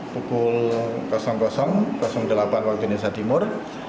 pukul delapan waktu indonesia timur